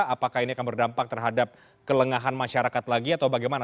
apakah ini akan berdampak terhadap kelengahan masyarakat lagi atau bagaimana